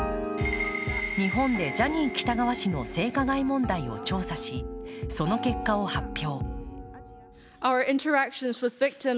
日本でジャニー喜多川氏の性加害問題を調査し、その結果を発表。